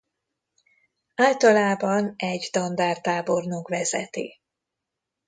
Általában egy dandár tábornok vezeti.